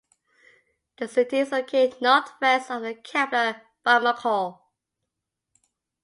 The city is located northwest of the capital Bamako.